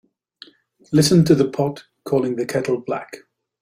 Listen to the pot calling the kettle black.